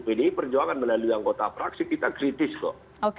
pdi perjuangan melalui anggota praksi kita kritis kok